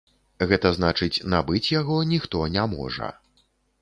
Гэта значыць набыць яго ніхто не можа.